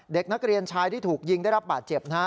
เด็กนักเรียนชายที่ถูกยิงได้รับบาดเจ็บนะฮะ